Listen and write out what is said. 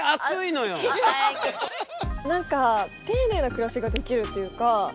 何か丁寧な暮らしができるというか。